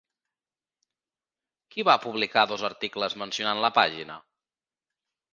Qui va publicar dos articles mencionant la pàgina?